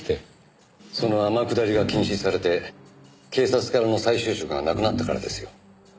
その天下りが禁止されて警察からの再就職がなくなったからですよ。